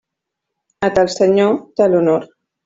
A tal senyor, tal honor.